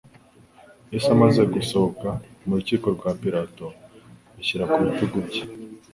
Yesu amaze gusohoka mu rukiko rwa Pilato, bashyira ku bitugu bye